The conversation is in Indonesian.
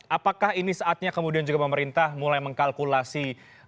apakah ini saatnya kemudian juga pemerintah mulai mengkalkulasi